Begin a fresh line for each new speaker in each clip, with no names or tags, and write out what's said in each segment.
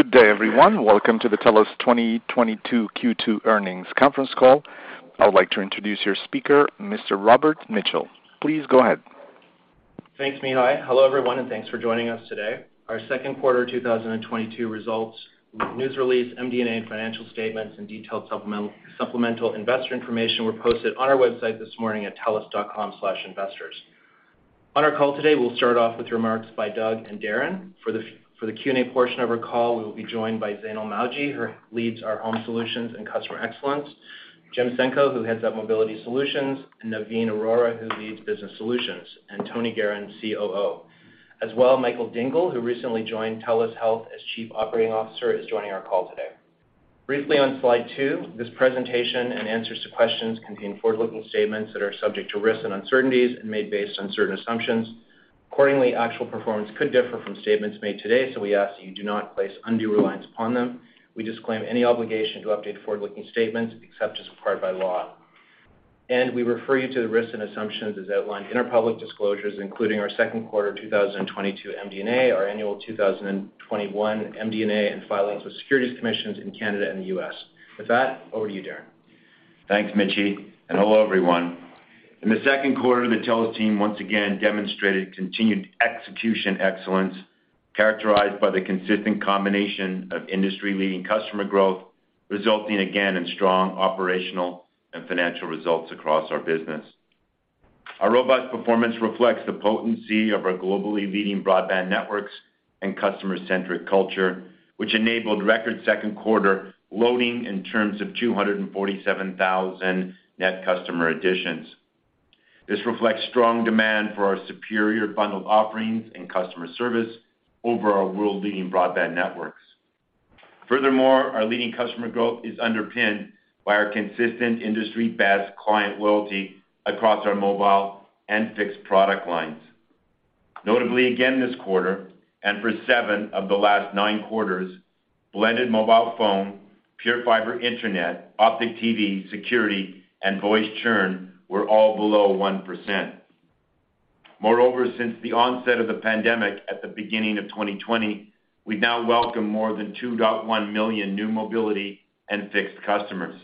Good day, everyone. Welcome to the TELUS 2022 Q2 earnings conference call. I would like to introduce your speaker, Mr. Robert Mitchell. Please go ahead.
Thanks, Robert Mitchell. Hello, everyone, and thanks for joining us today. Our second quarter 2022 results, news release, MD&A, and financial statements and detailed supplement, supplemental investor information were posted on our website this morning at telus.com/investors. On our call today, we'll start off with remarks by Doug and Darren. For the Q&A portion of our call, we will be joined by Zainul Mawji, who leads our Home Solutions and Customer Excellence, Jim Senko, who heads up Mobility Solutions, and Navin Arora, who leads Business Solutions, and Tony Geheran, COO. As well, Michael Dingle, who recently joined TELUS Health as Chief Operating Officer, is joining our call today. Briefly on slide two, this presentation and answers to questions contain forward-looking statements that are subject to risks and uncertainties and made based on certain assumptions Accordingly, actual performance could differ from statements made today, so we ask that you do not place undue reliance upon them. We disclaim any obligation to update forward-looking statements except as required by law. We refer you to the risks and assumptions as outlined in our public disclosures, including our second quarter 2022 MD&A, our annual 2021 MD&A, and filings with securities commissions in Canada and the U.S. With that, over to you, Darren.
Thanks, Mitchie, and hello, everyone. In the second quarter, the TELUS team once again demonstrated continued execution excellence, characterized by the consistent combination of industry-leading customer growth, resulting again in strong operational and financial results across our business. Our robust performance reflects the potency of our globally leading broadband networks and customer-centric culture, which enabled record second quarter loadings in terms of 247,000 net customer additions. This reflects strong demand for our superior bundled offerings and customer service over our world-leading broadband networks. Furthermore, our leading customer growth is underpinned by our consistent industry-best client loyalty across our mobile and fixed product lines. Notably again this quarter, and for seven of the last nine quarters, blended mobile phone, PureFibre internet, Optik TV, security, and voice churn were all below 1%. Moreover, since the onset of the pandemic at the beginning of 2020, we've now welcomed more than 2.1 million new mobility and fixed customers.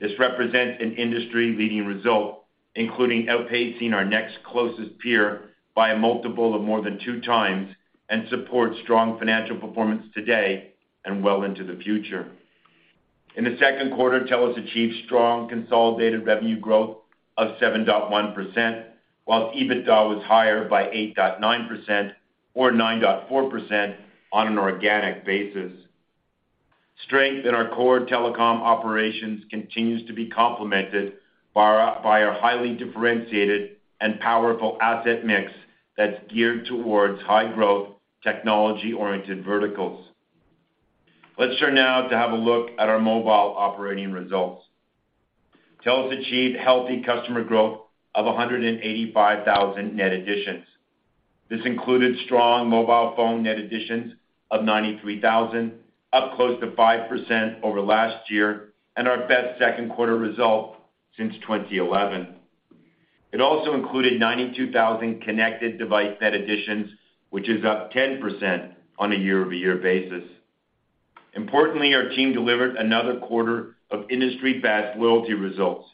This represents an industry-leading result, including outpacing our next closest peer by a multiple of more than two times and supports strong financial performance today and well into the future. In the second quarter, TELUS achieved strong consolidated revenue growth of 7.1%, while EBITDA was higher by 8.9% or 9.4% on an organic basis. Strength in our core telecom operations continues to be complemented by our highly differentiated and powerful asset mix that's geared towards high-growth, technology-oriented verticals. Let's turn now to have a look at our mobile operating results. TELUS achieved healthy customer growth of 185,000 net additions. This included strong mobile phone net additions of 93,000, up close to 5% over last year and our best second quarter result since 2011. It also included 92,000 connected device net additions, which is up 10% on a year-over-year basis. Importantly, our team delivered another quarter of industry-best loyalty results,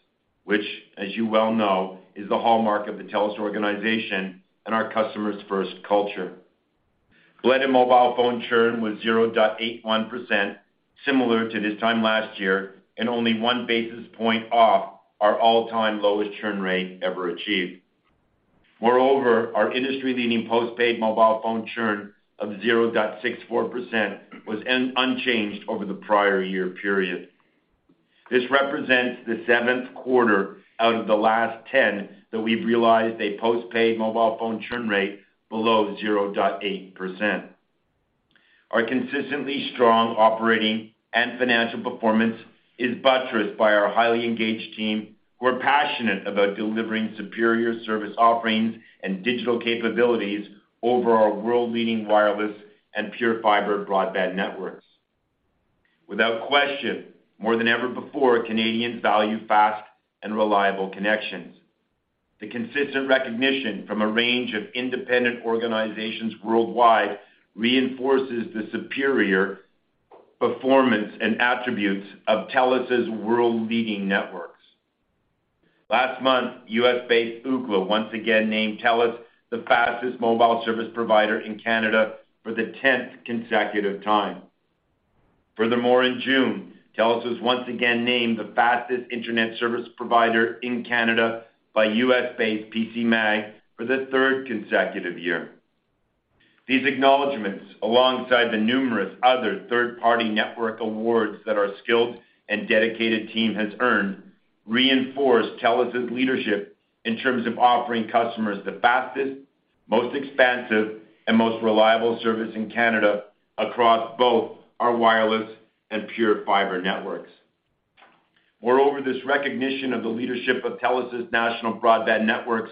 which as you well know, is the hallmark of the TELUS organization and our customer's first culture. Blended mobile phone churn was 0.81%, similar to this time last year and only one basis point off our all-time lowest churn rate ever achieved. Moreover, our industry-leading postpaid mobile phone churn of 0.64% was unchanged over the prior year period. This represents the seventh quarter out of the last 10 that we've realized a postpaid mobile phone churn rate below 0.8%. Our consistently strong operating and financial performance is buttressed by our highly engaged team, who are passionate about delivering superior service offerings and digital capabilities over our world-leading wireless and PureFibre broadband networks. Without question, more than ever before, Canadians value fast and reliable connections. The consistent recognition from a range of independent organizations worldwide reinforces the superior performance and attributes of TELUS's world-leading networks. Last month, U.S.-based Ookla once again named TELUS the fastest mobile service provider in Canada for the tenth consecutive time. Furthermore, in June, TELUS was once again named the fastest internet service provider in Canada by U.S.-based PCMag for the third consecutive year. These acknowledgments, alongside the numerous other third-party network awards that our skilled and dedicated team has earned, reinforce TELUS's leadership in terms of offering customers the fastest, most expansive, and most reliable service in Canada across both our wireless and PureFibre networks. Moreover, this recognition of the leadership of TELUS's national broadband networks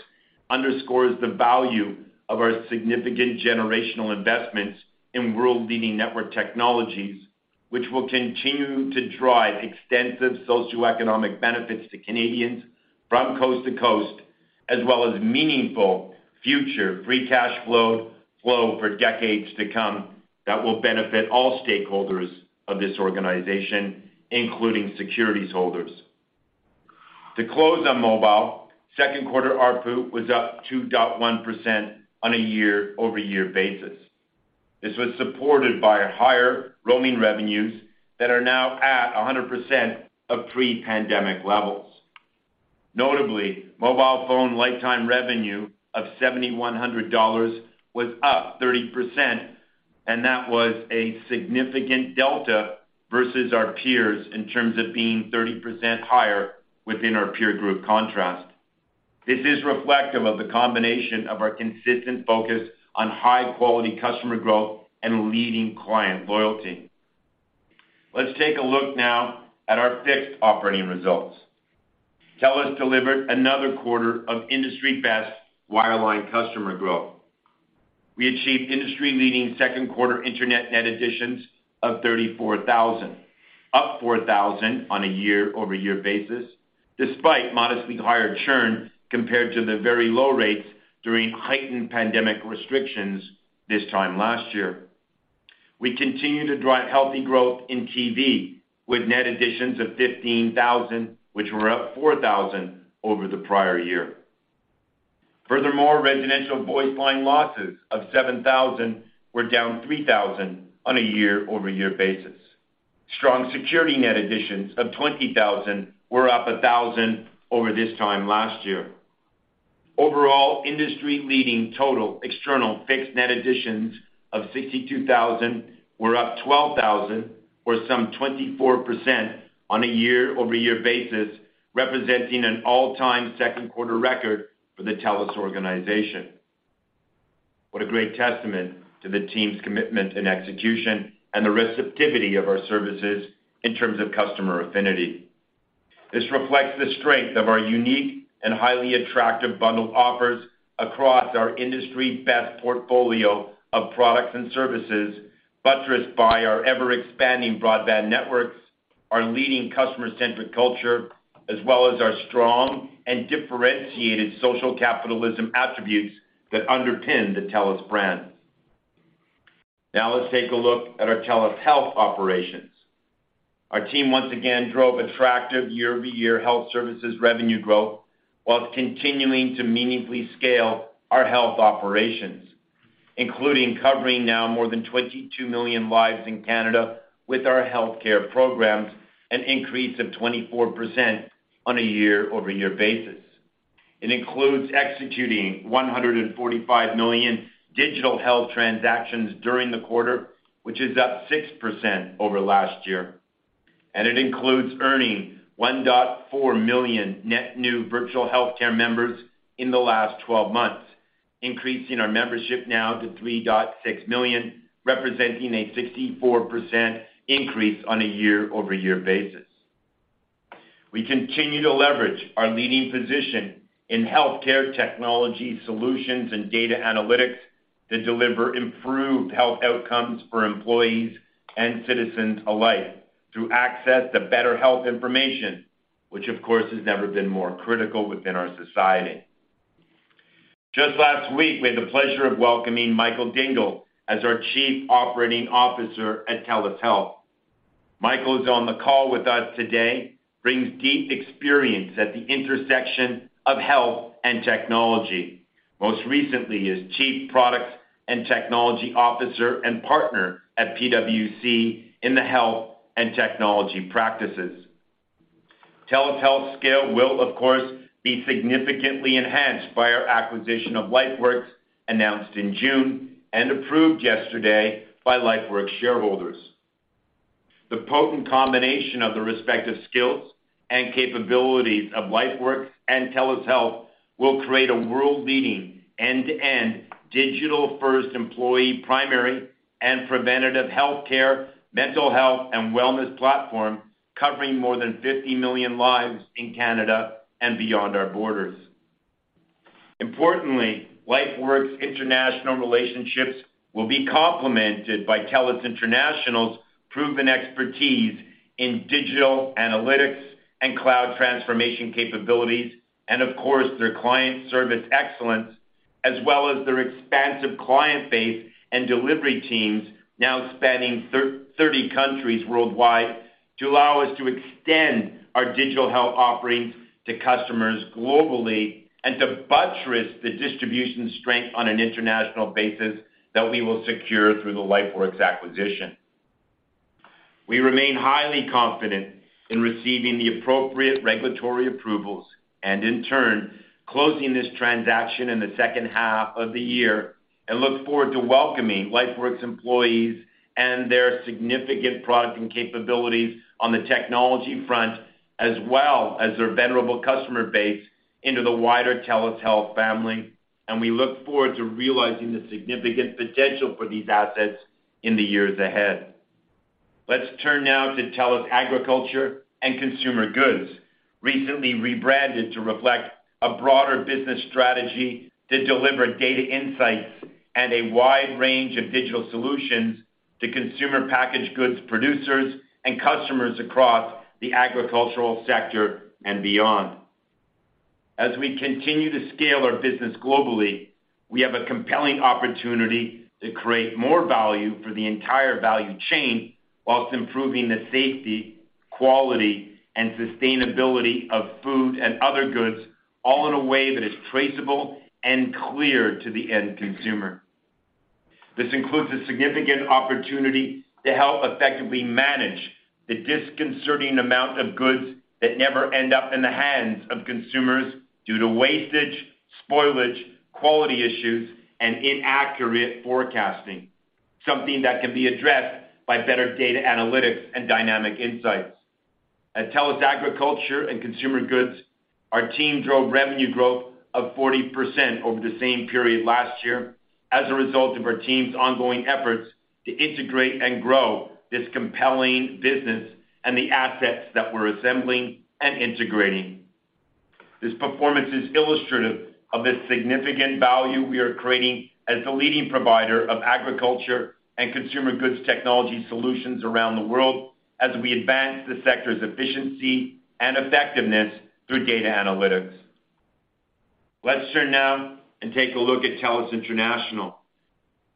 underscores the value of our significant generational investments in world-leading network technologies, which will continue to drive extensive socioeconomic benefits to Canadians from coast to coast. As well as meaningful future free cash flow for decades to come that will benefit all stakeholders of this organization, including securities holders. To close on mobile, second quarter ARPU was up 2.1% on a year-over-year basis. This was supported by higher roaming revenues that are now at 100% of pre-pandemic levels. Notably, mobile phone lifetime revenue of 7,100 dollars was up 30%, and that was a significant delta versus our peers in terms of being 30% higher within our peer group contrast. This is reflective of the combination of our consistent focus on high quality customer growth and leading client loyalty. Let's take a look now at our fixed operating results. TELUS delivered another quarter of industry-best wireline customer growth. We achieved industry-leading second quarter internet net additions of 34,000, up 4,000 on a year-over-year basis, despite modestly higher churn compared to the very low rates during heightened pandemic restrictions this time last year. We continue to drive healthy growth in TV with net additions of 15,000, which were up 4,000 over the prior year. Furthermore, residential voice line losses of 7,000 were down 3,000 on a year-over-year basis. Strong security net additions of 20,000 were up 1,000 over this time last year. Overall, industry leading total external fixed net additions of 62,000 were up 12,000 or some 24% on a year-over-year basis, representing an all-time second quarter record for the TELUS organization. What a great testament to the team's commitment and execution and the receptivity of our services in terms of customer affinity. This reflects the strength of our unique and highly attractive bundled offers across our industry best portfolio of products and services, buttressed by our ever-expanding broadband networks, our leading customer-centric culture, as well as our strong and differentiated social capitalism attributes that underpin the TELUS brand. Now let's take a look at our TELUS Health operations. Our team once again drove attractive year-over-year health services revenue growth while continuing to meaningfully scale our health operations, including covering now more than 22 million lives in Canada with our healthcare programs, an increase of 24% on a year-over-year basis. It includes executing 145 million digital health transactions during the quarter, which is up 6% over last year. It includes earning 1.4 million net new virtual healthcare members in the last twelve months, increasing our membership now to 3.6 million, representing a 64% increase on a year-over-year basis. We continue to leverage our leading position in healthcare technology solutions and data analytics that deliver improved health outcomes for employees and citizens alike through access to better health information, which of course has never been more critical within our society. Just last week, we had the pleasure of welcoming Michael Dingle as our Chief Operating Officer at TELUS Health. Michael is on the call with us today. He brings deep experience at the intersection of health and technology, most recently as Chief Products and Technology Officer and partner at PwC in the health and technology practices. TELUS Health scale will of course be significantly enhanced by our acquisition of LifeWorks, announced in June and approved yesterday by LifeWorks shareholders. The potent combination of the respective skills and capabilities of LifeWorks and TELUS Health will create a world-leading, end-to-end, digital-first employee, primary and preventative healthcare, mental health and wellness platform covering more than 50 million lives in Canada and beyond our borders. Importantly, LifeWorks international relationships will be complemented by TELUS International's proven expertise in digital analytics and cloud transformation capabilities, and of course, their client service excellence, as well as their expansive client base and delivery teams now spanning 30 countries worldwide to allow us to extend our digital health offerings to customers globally and to buttress the distribution strength on an international basis that we will secure through the LifeWorks acquisition. We remain highly confident in receiving the appropriate regulatory approvals and in turn, closing this transaction in the second half of the year, and look forward to welcoming LifeWorks employees and their significant product and capabilities on the technology front, as well as their venerable customer base into the wider TELUS Health family, and we look forward to realizing the significant potential for these assets in the years ahead. Let's turn now to TELUS Agriculture & Consumer Goods, recently rebranded to reflect a broader business strategy to deliver data insights and a wide range of digital solutions to consumer packaged goods producers and customers across the agricultural sector and beyond. We continue to scale our business globally. We have a compelling opportunity to create more value for the entire value chain while improving the safety, quality, and sustainability of food and other goods, all in a way that is traceable and clear to the end consumer. This includes a significant opportunity to help effectively manage the disconcerting amount of goods that never end up in the hands of consumers due to wastage, spoilage, quality issues, and inaccurate forecasting, something that can be addressed by better data analytics and dynamic insights. At TELUS Agriculture and Consumer Goods, our team drove revenue growth of 40% over the same period last year as a result of our team's ongoing efforts to integrate and grow this compelling business and the assets that we're assembling and integrating. This performance is illustrative of the significant value we are creating as the leading provider of agriculture and consumer goods technology solutions around the world as we advance the sector's efficiency and effectiveness through data analytics. Let's turn now and take a look at TELUS International.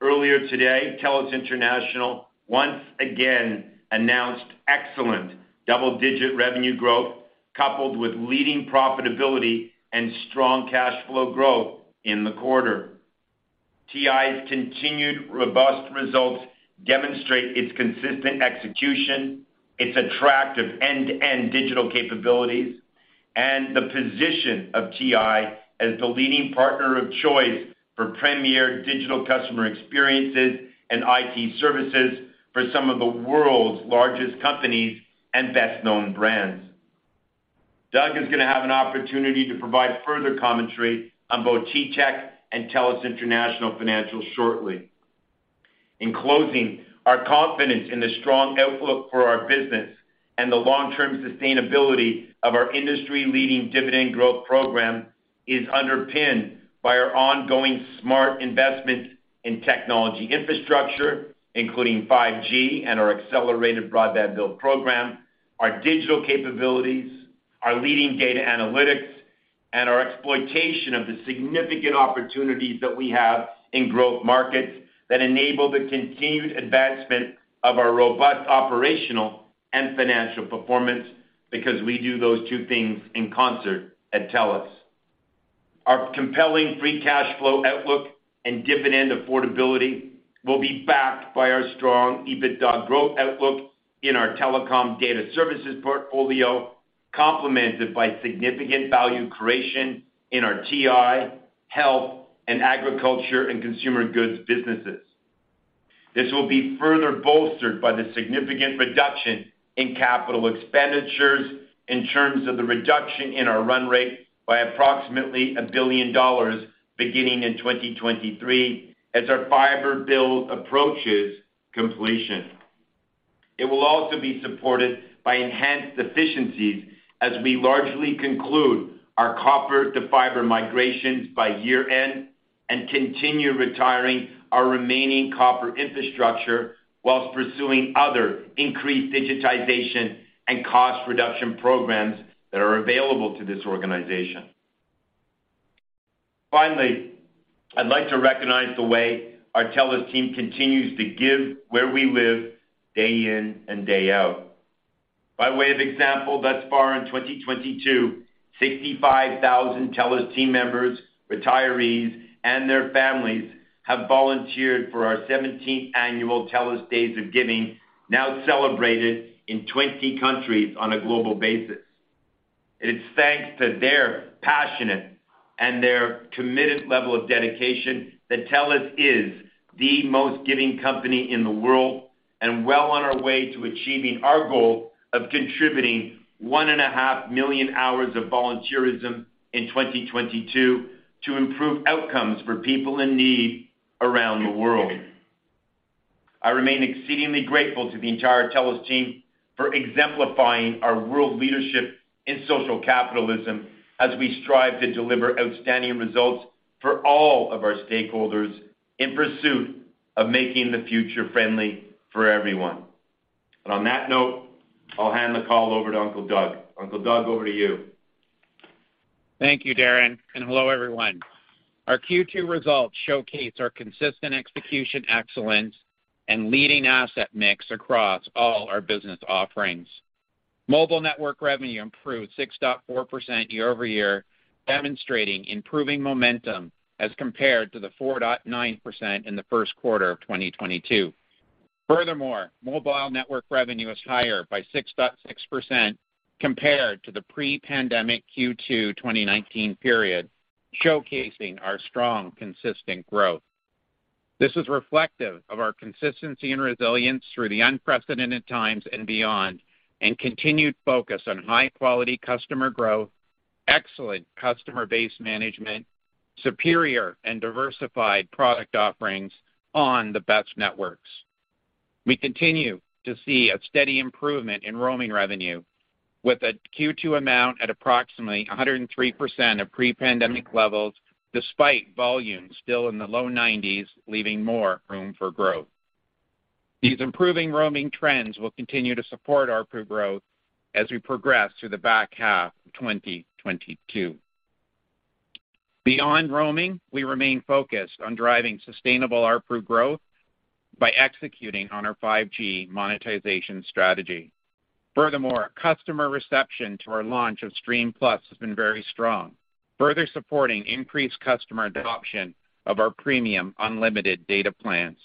Earlier today, TELUS International once again announced excellent double-digit revenue growth, coupled with leading profitability and strong cash flow growth in the quarter. TI's continued robust results demonstrate its consistent execution, its attractive end-to-end digital capabilities, and the position of TI as the leading partner of choice for premier digital customer experiences and IT services for some of the world's largest companies and best-known brands. Doug is going to have an opportunity to provide further commentary on both TTEC and TELUS International financials shortly. In closing, our confidence in the strong outlook for our business and the long-term sustainability of our industry-leading dividend growth program is underpinned by our ongoing smart investment in technology infrastructure, including 5G and our accelerated broadband build program, our digital capabilities, our leading data analytics, and our exploitation of the significant opportunities that we have in growth markets that enable the continued advancement of our robust operational and financial performance because we do those two things in concert at TELUS. Our compelling free cash flow outlook and dividend affordability will be backed by our strong EBITDA growth outlook in our telecom data services portfolio, complemented by significant value creation in our TI, health, and agriculture and consumer goods businesses. This will be further bolstered by the significant reduction in capital expenditures in terms of the reduction in our run rate by approximately 1 billion dollars beginning in 2023 as our fiber build approaches completion. It will also be supported by enhanced efficiencies as we largely conclude our copper-to-fiber migrations by year-end and continue retiring our remaining copper infrastructure while pursuing other increased digitization and cost reduction programs that are available to this organization. Finally, I'd like to recognize the way our TELUS team continues to give where we live day in and day out. By way of example, thus far in 2022, 65,000 TELUS team members, retirees, and their families have volunteered for our 17th annual TELUS Days of Giving, now celebrated in 20 countries on a global basis. It is thanks to their passionate and their committed level of dedication that TELUS is the most giving company in the world and well on our way to achieving our goal of contributing 1.5 million hours of volunteerism in 2022 to improve outcomes for people in need around the world. I remain exceedingly grateful to the entire TELUS team for exemplifying our world leadership in social capitalism as we strive to deliver outstanding results for all of our stakeholders in pursuit of making the future friendly for everyone. On that note, I'll hand the call over to Uncle Doug. Uncle Doug, over to you.
Thank you, Darren, and hello, everyone. Our Q2 results showcase our consistent execution excellence and leading asset mix across all our business offerings. Mobile network revenue improved 6.4% year over year, demonstrating improving momentum as compared to the 4.9% in the first quarter of 2022. Furthermore, mobile network revenue is higher by 6.6% compared to the pre-pandemic Q2 2019 period, showcasing our strong, consistent growth. This is reflective of our consistency and resilience through the unprecedented times and beyond, and continued focus on high-quality customer growth, excellent customer base management, superior and diversified product offerings on the best networks. We continue to see a steady improvement in roaming revenue. With a Q2 amount at approximately 103% of pre-pandemic levels, despite volumes still in the low 90s, leaving more room for growth. These improving roaming trends will continue to support ARPU growth as we progress through the back half of 2022. Beyond roaming, we remain focused on driving sustainable ARPU growth by executing on our 5G monetization strategy. Furthermore, customer reception to our launch of Stream+ has been very strong, further supporting increased customer adoption of our premium unlimited data plans.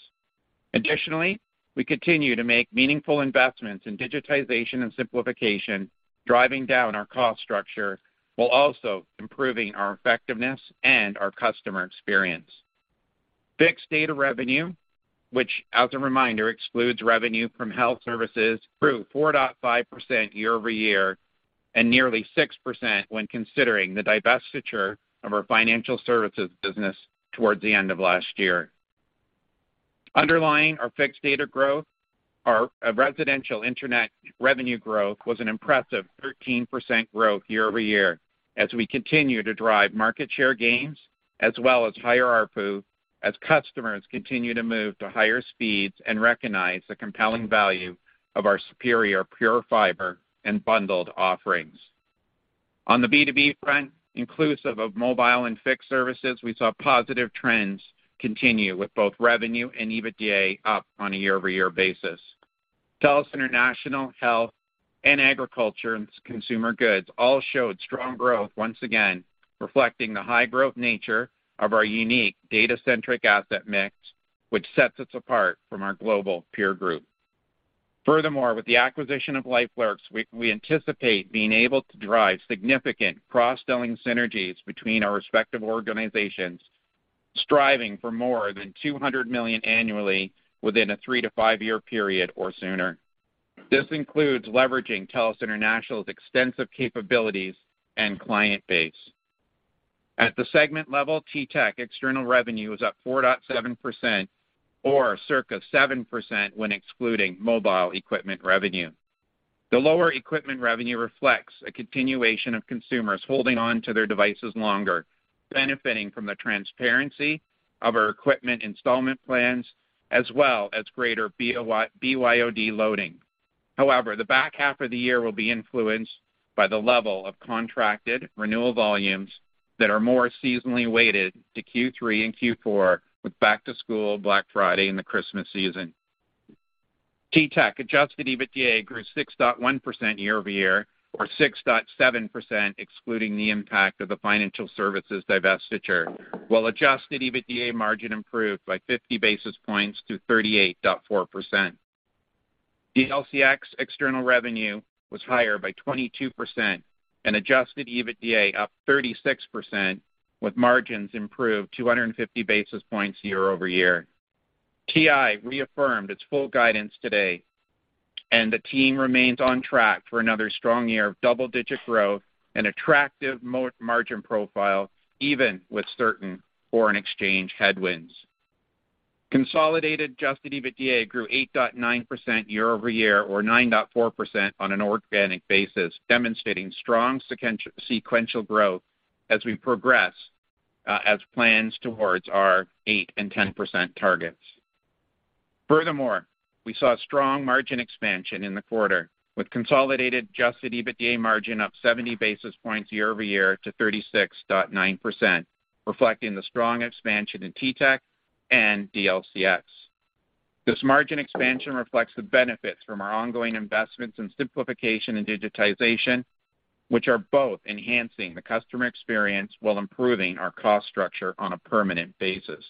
Additionally, we continue to make meaningful investments in digitization and simplification, driving down our cost structure while also improving our effectiveness and our customer experience. Fixed data revenue, which as a reminder excludes revenue from health services, grew 4.5% year-over-year, and nearly 6% when considering the divestiture of our financial services business towards the end of last year. Underlying our fixed data growth, our residential Internet revenue growth was an impressive 13% growth year-over-year as we continue to drive market share gains as well as higher ARPU as customers continue to move to higher speeds and recognize the compelling value of our superior PureFibre and bundled offerings. On the B2B front, inclusive of mobile and fixed services, we saw positive trends continue with both revenue and EBITDA up on a year-over-year basis. TELUS International, TELUS Health, and TELUS Agriculture and Consumer Goods all showed strong growth once again, reflecting the high growth nature of our unique data-centric asset mix, which sets us apart from our global peer group. Furthermore, with the acquisition of LifeWorks, we anticipate being able to drive significant cross-selling synergies between our respective organizations, striving for more than 200 million annually within a three to five years period or sooner. This includes leveraging TELUS International's extensive capabilities and client base. At the segment level, TTEC external revenue was up 4.7% or circa 7% when excluding mobile equipment revenue. The lower equipment revenue reflects a continuation of consumers holding on to their devices longer, benefiting from the transparency of our equipment installment plans, as well as greater BYO-BYOD loading. However, the back half of the year will be influenced by the level of contracted renewal volumes that are more seasonally weighted to Q3 and Q4 with back-to-school, Black Friday, and the Christmas season. TTEC adjusted EBITDA grew 6.1% year-over-year, or 6.7% excluding the impact of the financial services divestiture, while adjusted EBITDA margin improved by 50 basis points to 38.4%. DLCX external revenue was higher by 22% and adjusted EBITDA up 36%, with margins improved 250 basis points year-over-year. TI reaffirmed its full guidance today, and the team remains on track for another strong year of double-digit growth and attractive margin profile, even with certain foreign exchange headwinds. Consolidated adjusted EBITDA grew 8.9% year-over-year or 9.4% on an organic basis, demonstrating strong sequential growth as we progress as planned towards our 8% and 10% targets. Furthermore, we saw strong margin expansion in the quarter, with consolidated adjusted EBITDA margin up 70 basis points year-over-year to 36.9%, reflecting the strong expansion in TTEC and DLCX. This margin expansion reflects the benefits from our ongoing investments in simplification and digitization, which are both enhancing the customer experience while improving our cost structure on a permanent basis.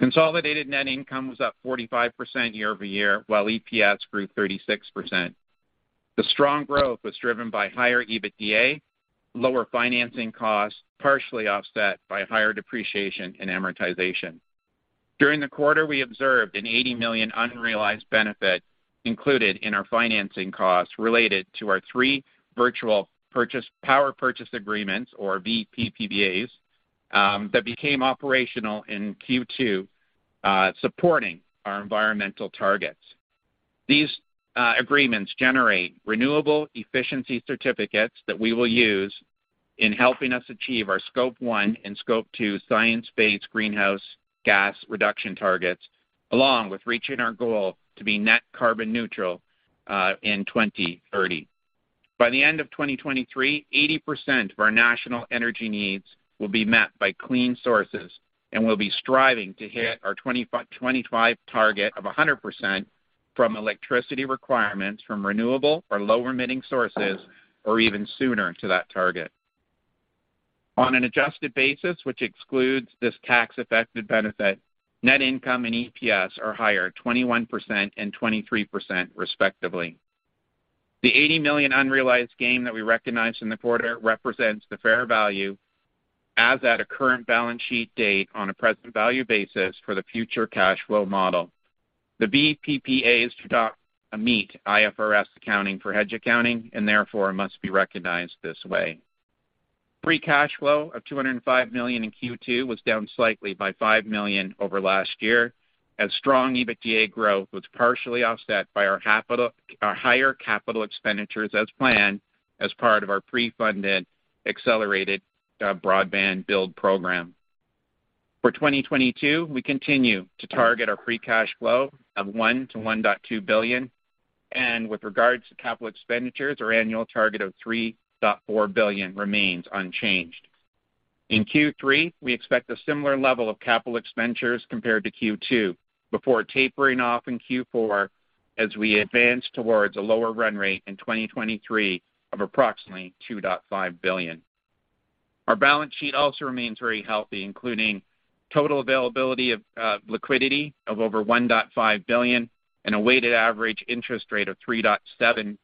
Consolidated net income was up 45% year-over-year, while EPS grew 36%. The strong growth was driven by higher EBITDA, lower financing costs, partially offset by higher depreciation and amortization. During the quarter, we observed a 80 million unrealized benefit included in our financing costs related to our three virtual power purchase agreements, or VPPAs, that became operational in Q2, supporting our environmental targets. These agreements generate renewable efficiency certificates that we will use in helping us achieve our scope one and scope two science-based greenhouse gas reduction targets, along with reaching our goal to be net carbon neutral in 2030. By the end of 2023, 80% of our national energy needs will be met by clean sources, and we'll be striving to hit our 2025 target of 100% from electricity requirements from renewable or low-emitting sources or even sooner to that target. On an adjusted basis, which excludes this tax-affected benefit, net income and EPS are higher 21% and 23% respectively. The 80 million unrealized gain that we recognized in the quarter represents the fair value as at a current balance sheet date on a present value basis for the future cash flow model. The VPPAs do not meet IFRS accounting for hedge accounting and therefore must be recognized this way. Free cash flow of 205 million in Q2 was down slightly by 5 million over last year, as strong EBITDA growth was partially offset by our higher capital expenditures as planned as part of our pre-funded accelerated broadband build program. For 2022, we continue to target our free cash flow of 1 billion-1.2 billion. With regards to capital expenditures, our annual target of 3.4 billion remains unchanged. In Q3, we expect a similar level of capital expenditures compared to Q2, before tapering off in Q4 as we advance towards a lower run rate in 2023 of approximately 2.5 billion. Our balance sheet also remains very healthy, including total availability of liquidity of over 1.5 billion and a weighted average interest rate of 3.72%,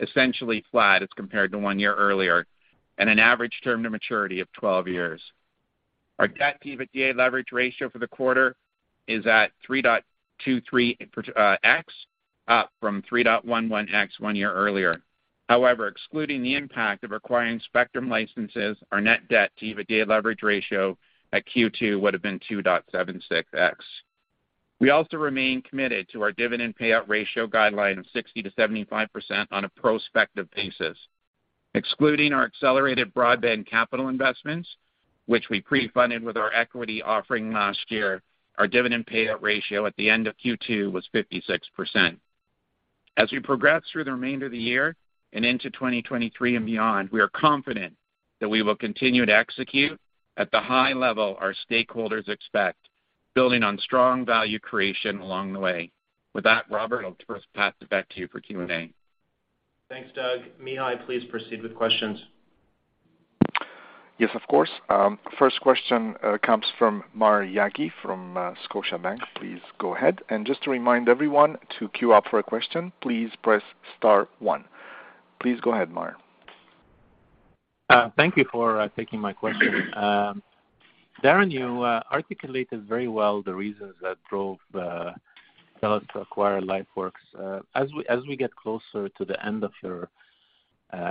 essentially flat as compared to one year earlier, and an average term to maturity of 12 years. Our debt to EBITDA leverage ratio for the quarter is at 3.23x, up from 3.11x 1 year earlier. However, excluding the impact of acquiring spectrum licenses, our net debt to EBITDA leverage ratio at Q2 would have been 2.76x. We also remain committed to our dividend payout ratio guideline of 60%-75% on a prospective basis. Excluding our accelerated broadband capital investments, which we pre-funded with our equity offering last year, our dividend payout ratio at the end of Q2 was 56%. As we progress through the remainder of the year and into 2023 and beyond, we are confident that we will continue to execute at the high level our stakeholders expect, building on strong value creation along the way. With that, Robert, I'll first pass it back to you for Q&A.
Thanks, Doug. Robert Mitchell, please proceed with questions.
Yes, of course. First question comes from Maher Yaghi from Scotiabank. Please go ahead. Just to remind everyone to queue up for a question, please press star one. Please go ahead, Maher.
Thank you for taking my question. Darren, you articulated very well the reasons that drove the TELUS to acquire LifeWorks. As we get closer to the end of your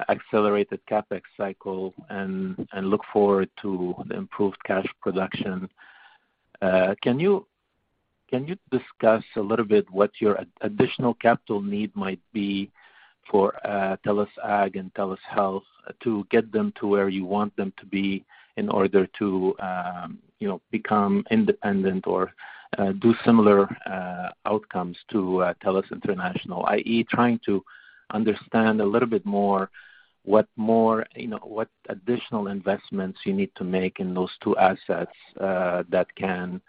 accelerated CapEx cycle and look forward to the improved cash production, can you discuss a little bit what your additional capital need might be for TELUS Ag and TELUS Health to get them to where you want them to be in order to, you know, become independent or do similar outcomes to TELUS International? I.e., trying to understand a little bit more what more, you know, what additional investments you need to make in those two assets that can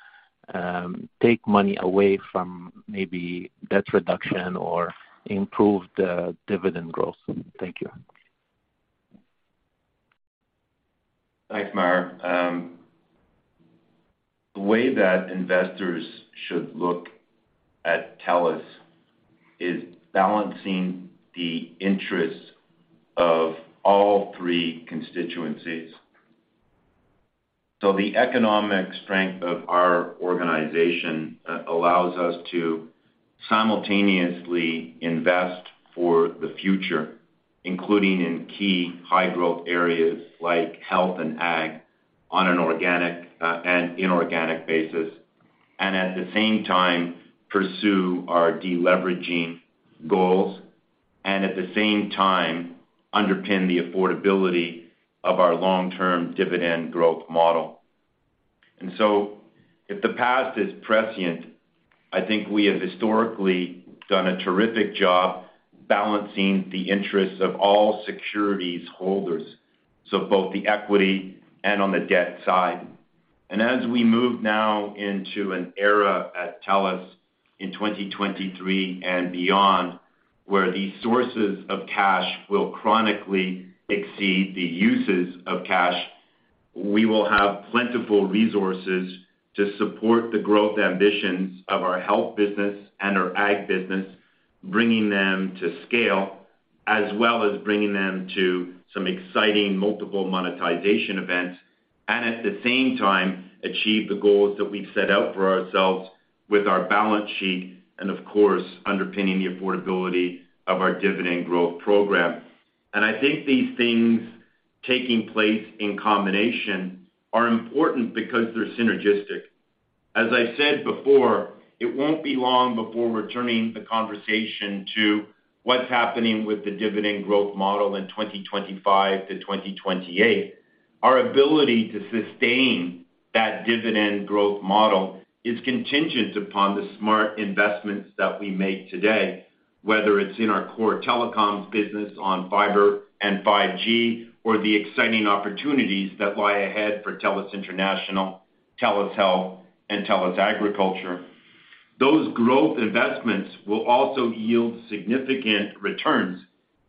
take money away from maybe debt reduction or improve the dividend growth. Thank you.
Thanks, Maher. The way that investors should look at TELUS is balancing the interests of all three constituencies. The economic strength of our organization allows us to simultaneously invest for the future, including in key high growth areas like health and ag, on an organic and inorganic basis. At the same time pursue our deleveraging goals and at the same time underpin the affordability of our long-term dividend growth model. If the past is prescient, I think we have historically done a terrific job balancing the interests of all securities holders, so both the equity and on the debt side. As we move now into an era at TELUS in 2023 and beyond, where the sources of cash will chronically exceed the uses of cash, we will have plentiful resources to support the growth ambitions of our health business and our ag business, bringing them to scale, as well as bringing them to some exciting multiple monetization events. At the same time, achieve the goals that we've set out for ourselves with our balance sheet and of course, underpinning the affordability of our dividend growth program. I think these things taking place in combination are important because they're synergistic. As I said before, it won't be long before we're turning the conversation to what's happening with the dividend growth model in 2025 to 2028. Our ability to sustain that dividend growth model is contingent upon the smart investments that we make today, whether it's in our core telecoms business on fiber and 5G or the exciting opportunities that lie ahead for TELUS International, TELUS Health and TELUS Agriculture. Those growth investments will also yield significant returns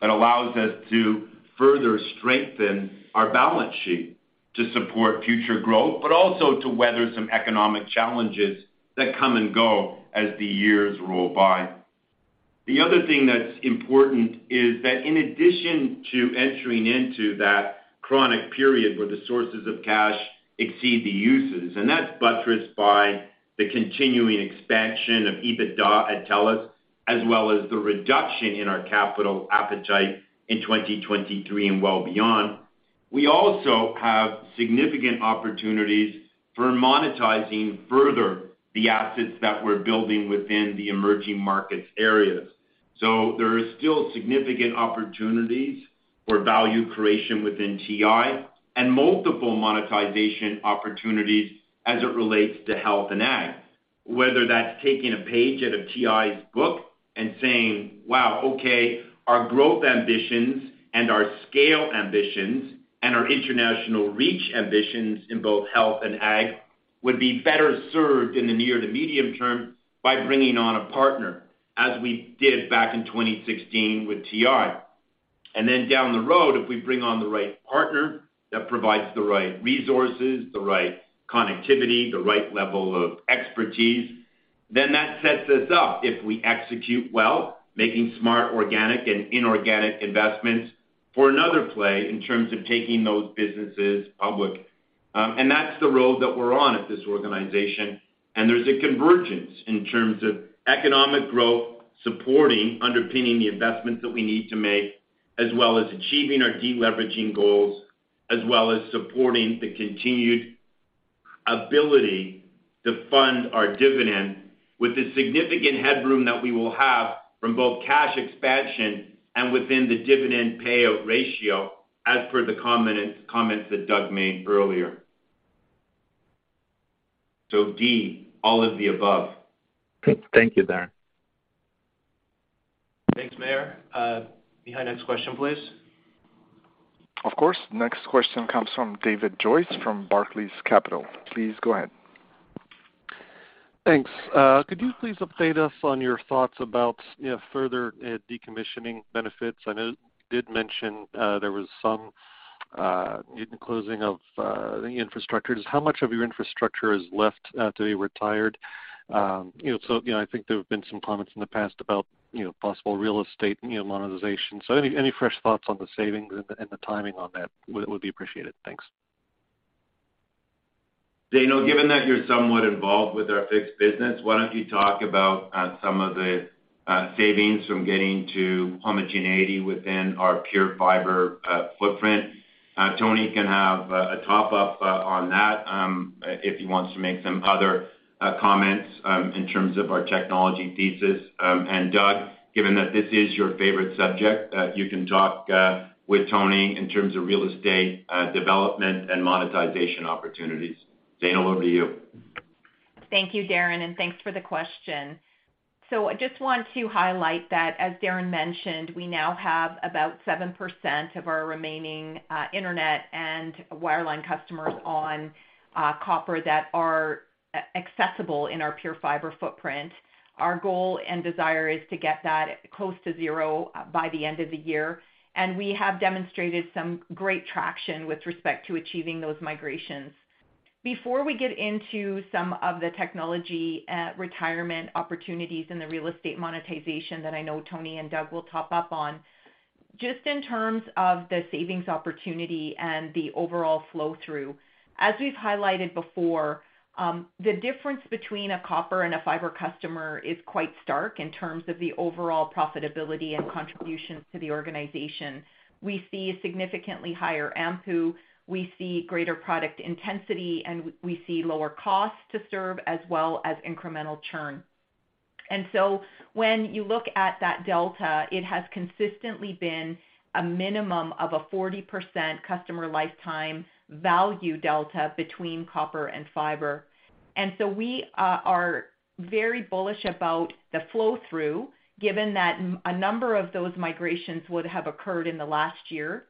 that allows us to further strengthen our balance sheet to support future growth, but also to weather some economic challenges that come and go as the years roll by. The other thing that's important is that in addition to entering into that crucial period where the sources of cash exceed the uses, and that's buttressed by the continuing expansion of EBITDA at TELUS. As well as the reduction in our capital appetite in 2023 and well beyond. We also have significant opportunities for monetizing further the assets that we're building within the emerging markets areas. There is still significant opportunities for value creation within TI and multiple monetization opportunities as it relates to health and ag. Whether that's taking a page out of TI's book and saying, "Wow, okay, our growth ambitions and our scale ambitions and our international reach ambitions in both health and ag would be better served in the near to medium term by bringing on a partner," as we did back in 2016 with TI. Then down the road, if we bring on the right partner that provides the right resources, the right connectivity, the right level of expertise, then that sets us up, if we execute well, making smart organic and inorganic investments for another play in terms of taking those businesses public. That's the road that we're on at this organization, and there's a convergence in terms of economic growth supporting, underpinning the investments that we need to make, as well as achieving our deleveraging goals, as well as supporting the continued ability to fund our dividend with the significant headroom that we will have from both cash expansion and within the dividend payout ratio, as per the comments that Doug made earlier. D, all of the above.
Thank you, Darren.
Thanks, Maher. The next question, please.
Of course. Next question comes from David Joyce from Barclays Capital. Please go ahead.
Thanks. Could you please update us on your thoughts about, you know, further decommissioning benefits? I know you did mention there was some closing of the infrastructures. How much of your infrastructure is left to be retired? You know, I think there have been some comments in the past about, you know, possible real estate, you know, monetization. Any fresh thoughts on the savings and the timing on that would be appreciated. Thanks.
Zainul, given that you're somewhat involved with our fixed business, why don't you talk about some of the savings from getting to homogeneity within our PureFibre footprint? Tony can have a top up on that, if he wants to make some other comments in terms of our technology thesis. Doug, given that this is your favorite subject, you can talk with Tony in terms of real estate development and monetization opportunities. Zainul, over to you.
Thank you, Darren, and thanks for the question. I just want to highlight that, as Darren mentioned, we now have about 7% of our remaining internet and wireline customers on copper that are accessible in our PureFibre footprint. Our goal and desire is to get that close to zero by the end of the year, and we have demonstrated some great traction with respect to achieving those migrations. Before we get into some of the technology retirement opportunities and the real estate monetization that I know Tony and Doug will top up on, just in terms of the savings opportunity and the overall flow-through, as we've highlighted before, the difference between a copper and a fiber customer is quite stark in terms of the overall profitability and contributions to the organization. We see significantly higher AMPU, we see greater product intensity, and we see lower costs to serve as well as incremental churn. When you look at that delta, it has consistently been a minimum of a 40% customer lifetime value delta between copper and fiber. We are very bullish about the flow-through, given that a number of those migrations would have occurred in the last year.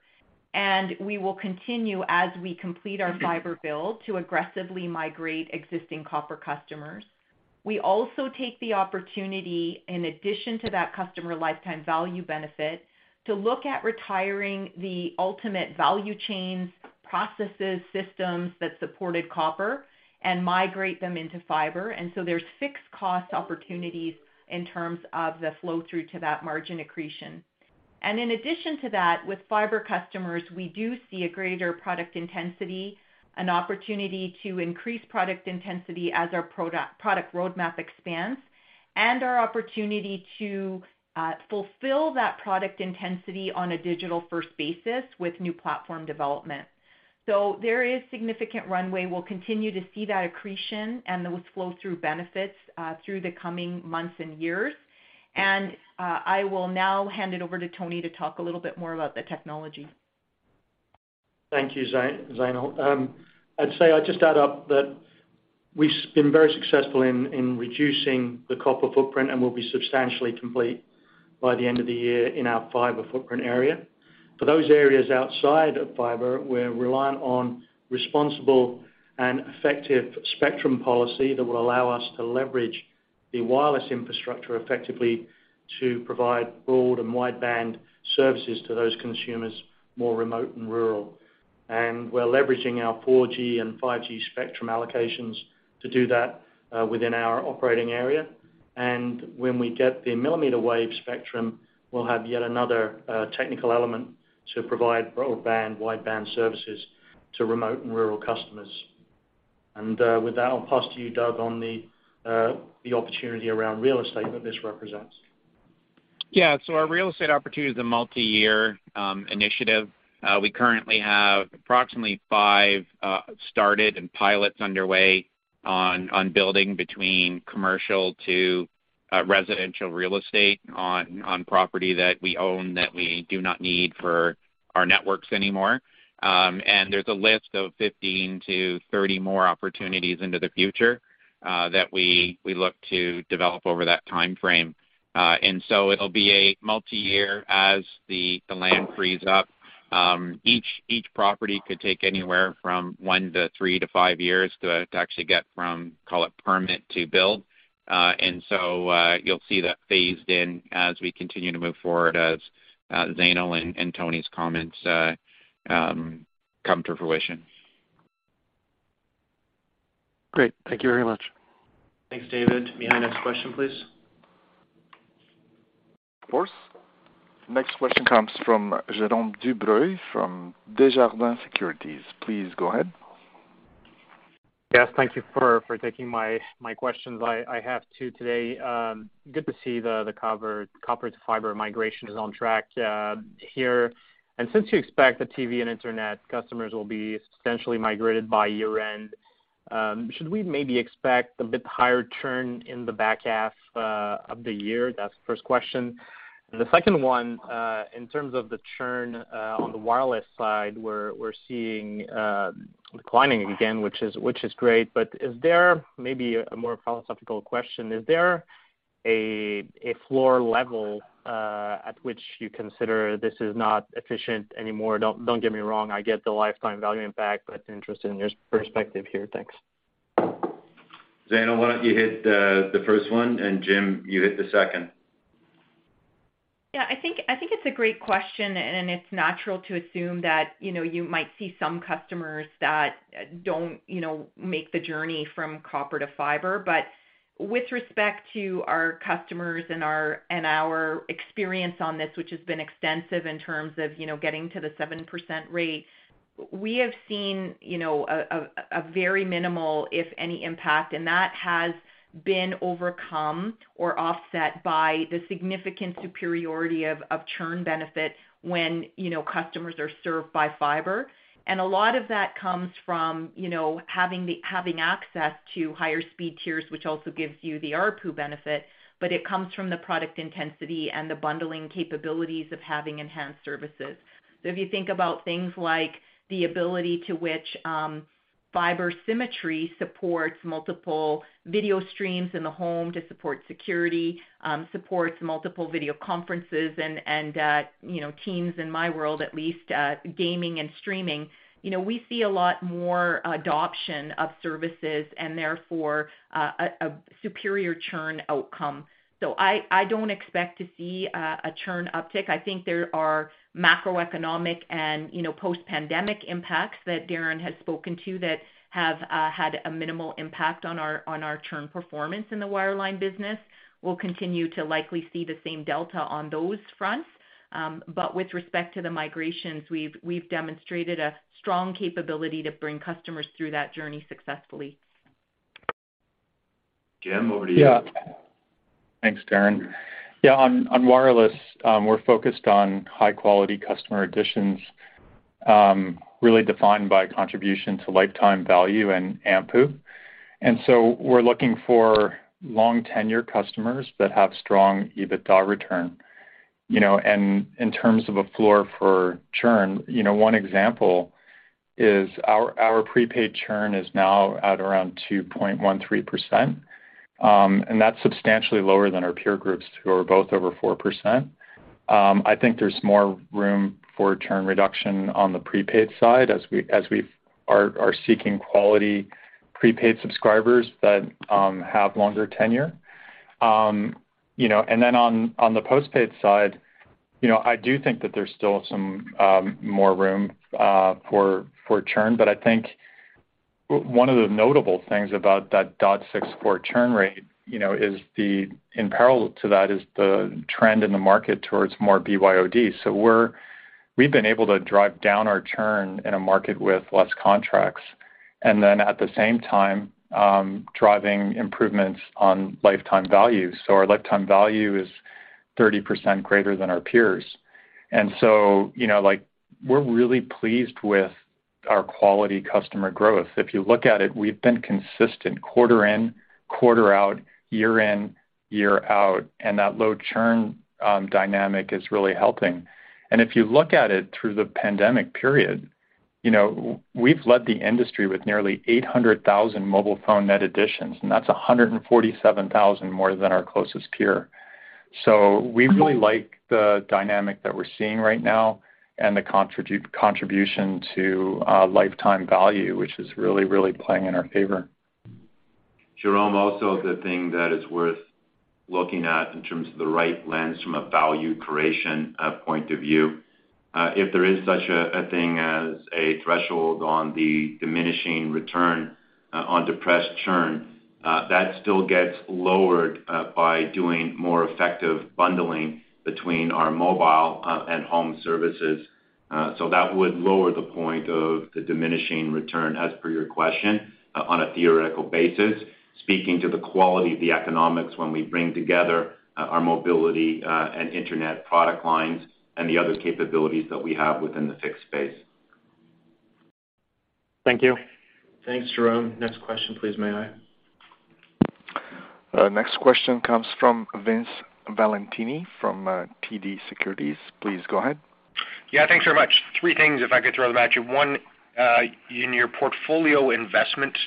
We will continue as we complete our fiber build to aggressively migrate existing copper customers. We also take the opportunity, in addition to that customer lifetime value benefit, to look at retiring the ultimate value chains, processes, systems that supported copper and migrate them into fiber. There's fixed cost opportunities in terms of the flow through to that margin accretion. In addition to that, with fiber customers, we do see a greater product intensity, an opportunity to increase product intensity as our product roadmap expands, and our opportunity to fulfill that product intensity on a digital-first basis with new platform development. There is significant runway. We'll continue to see that accretion and those flow-through benefits through the coming months and years. I will now hand it over to Tony to talk a little bit more about the technology.
Thank you, Zainul. I'd just add that we've been very successful in reducing the copper footprint and will be substantially complete by the end of the year in our fiber footprint area. For those areas outside of fiber, we're reliant on responsible and effective spectrum policy that will allow us to leverage the wireless infrastructure effectively to provide broad and wideband services to those consumers, more remote and rural. We're leveraging our 4G and 5G spectrum allocations to do that within our operating area. When we get the millimeter wave spectrum, we'll have yet another technical element to provide broadband, wideband services to remote and rural customers.
With that, I'll pass to you, Doug, on the opportunity around real estate that this represents.
Our real estate opportunity is a multi-year initiative. We currently have approximately five started and pilots underway on building between commercial to residential real estate on property that we own that we do not need for our networks anymore. There's a list of 15-30 more opportunities into the future that we look to develop over that timeframe. It'll be a multi-year as the land frees up. Each property could take anywhere from one to three to five years to actually get from, call it, permit to build. You'll see that phased in as we continue to move forward as Zayna and Tony's comments come to fruition.
Great. Thank you very much.
Thanks, David. May I have next question, please?
Of course. Next question comes from Jerome Dubreuil from Desjardins Securities. Please go ahead.
Yes, thank you for taking my questions. I have two today. Good to see the copper to fiber migration is on track here. Since you expect the TV and internet customers will be essentially migrated by year-end, should we maybe expect a bit higher churn in the back half of the year? That's the first question. The second one, in terms of the churn on the wireless side, we're seeing declining again, which is great. Is there maybe a more philosophical question? Is there a floor level at which you consider this is not efficient anymore? Don't get me wrong, I get the lifetime value impact, but interested in your perspective here. Thanks.
Zainul, why don't you hit the first one? Jim, you hit the second.
Yeah. I think it's a great question, and it's natural to assume that, you know, you might see some customers that don't, you know, make the journey from copper to fiber. With respect to our customers and our experience on this, which has been extensive in terms of, you know, getting to the 7% rate, we have seen, you know, a very minimal, if any, impact. That has been overcome or offset by the significant superiority of churn benefit when, you know, customers are served by fiber. A lot of that comes from, you know, having access to higher speed tiers, which also gives you the ARPU benefit, but it comes from the product intensity and the bundling capabilities of having enhanced services. If you think about things like the ability to which fiber symmetry supports multiple video streams in the home to support security, supports multiple video conferences and you know, teams in my world, at least, gaming and streaming, you know, we see a lot more adoption of services and therefore a superior churn outcome. I don't expect to see a churn uptick. I think there are macroeconomic and, you know, post-pandemic impacts that Darren has spoken to that have had a minimal impact on our churn performance in the wireline business. We'll continue to likely see the same delta on those fronts. But with respect to the migrations, we've demonstrated a strong capability to bring customers through that journey successfully.
Jim, over to you.
Yeah. Thanks, Darren. Yeah, on wireless, we're focused on high quality customer additions, really defined by contribution to lifetime value and AMPU. We're looking for long tenure customers that have strong EBITDA return. You know, in terms of a floor for churn, you know, one example is our prepaid churn is now at around 2.13%, and that's substantially lower than our peer groups who are both over 4%. I think there's more room for churn reduction on the prepaid side as we are seeking quality prepaid subscribers that have longer tenure. You know, on the postpaid side, you know, I do think that there's still some more room for churn, but I think one of the notable things about that 0.64 churn rate, you know, is in parallel to that is the trend in the market towards more BYOD. We've been able to drive down our churn in a market with less contracts, and at the same time, driving improvements on lifetime value. Our lifetime value is 30% greater than our peers. You know, like, we're really pleased with our quality customer growth. If you look at it, we've been consistent quarter in, quarter out, year in, year out, and that low churn dynamic is really helping. If you look at it through the pandemic period, you know, we've led the industry with nearly 800,000 mobile phone net additions, and that's 147,000 more than our closest peer. We really like the dynamic that we're seeing right now and the contribution to lifetime value, which is really, really playing in our favor.
Jerome, also the thing that is worth looking at in terms of the right lens from a value creation point of view, if there is such a thing as a threshold on the diminishing return on depressed churn, that still gets lowered by doing more effective bundling between our mobile and home services. That would lower the point of the diminishing return as per your question on a theoretical basis, speaking to the quality of the economics when we bring together our mobility and internet product lines and the other capabilities that we have within the fixed space.
Thank you.
Thanks, Jerome. Next question, please, may I?
Next question comes from Vince Valentini from TD Securities. Please go ahead.
Yeah, thanks very much. Three things if I could throw them at you. One, in your portfolio investment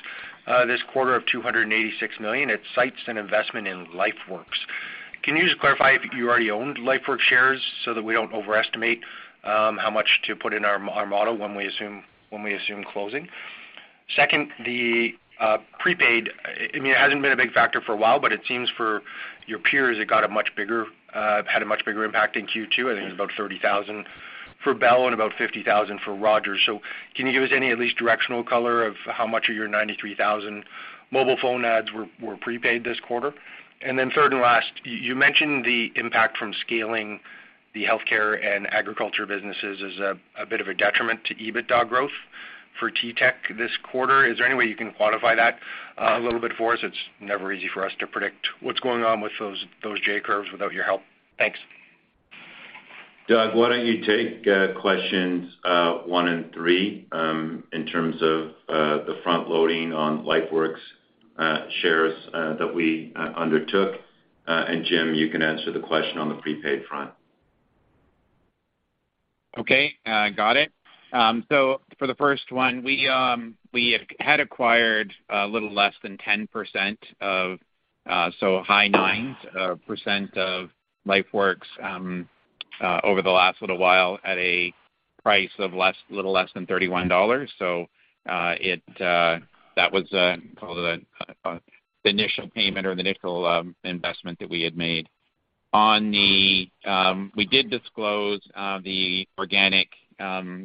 this quarter of 286 million, it cites an investment in LifeWorks. Can you just clarify if you already owned LifeWorks shares so that we don't overestimate how much to put in our model when we assume closing? Second, the prepaid, I mean, it hasn't been a big factor for a while, but it seems for your peers, it had a much bigger impact in Q2. I think it's about 30,000 for Bell and about 50,000 for Rogers. Can you give us any at least directional color of how much of your 93,000 mobile phone adds were prepaid this quarter? Then third and last, you mentioned the impact from scaling the healthcare and agriculture businesses as a bit of a detriment to EBITDA growth for TTEC this quarter. Is there any way you can quantify that, a little bit for us? It's never easy for us to predict what's going on with those J-curves without your help. Thanks.
Doug, why don't you take questions one and three in terms of the front-loading on LifeWorks shares that we undertook. Jim, you can answer the question on the prepaid front.
Okay, got it. For the first one, we had acquired a little less than 10% of, so high nines % of LifeWorks, over the last little while at a price of a little less than 31 dollars. That was, call it a, the initial payment or the initial investment that we had made. We did disclose the organic